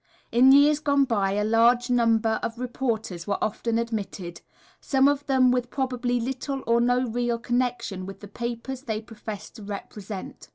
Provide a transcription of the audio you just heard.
In years gone by a large number of reporters were often admitted, some of them with probably little or no real connection with the papers they professed to represent.